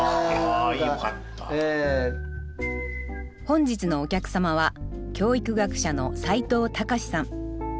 本日のお客様は教育学者の齋藤孝さん。